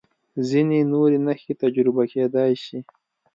و ځینې نورې نښې تجربه کېدای شي.